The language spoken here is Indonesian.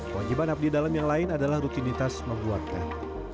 wajiban abdidalem yang lain adalah rutinitas membuat teh